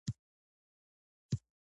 عامه د دولت له درې ګونو قواوو څخه عبارت ده.